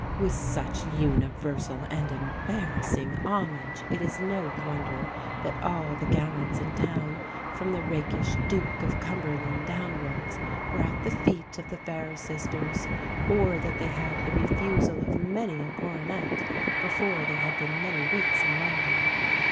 With such universal and embarrassing homage, it is no wonder that all the gallants in town, from the rakish Duke of Cumberland downwards, were at the feet of the fair sisters, or that they had the refusal of many a coronet before they had been many weeks in London.